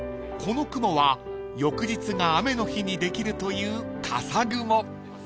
［この雲は翌日が雨の日にできるというかさ雲］